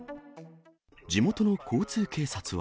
地元の交通警察は。